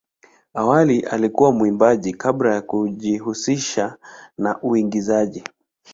Awali alikuwa mwimbaji kabla ya kujihusisha na uigizaji.